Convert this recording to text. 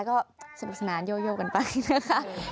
ก็สนุกสนานโยกันไปนะคะ